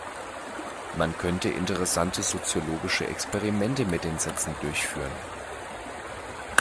Man könnte interessante soziologische Experimente mit den Sätzen durchführen.